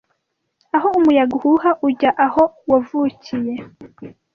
Aho umuyaga uhuha ujya aho wavukiye